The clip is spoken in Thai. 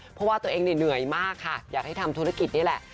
เพราะว่าตัวเองเหนื่อยมากค่ะอยากให้ทำธุรกิจนี่แหละ